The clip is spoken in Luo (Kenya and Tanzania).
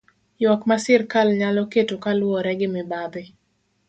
Ywak ma sirkal nyalo keto kaluwore gi mibadhi.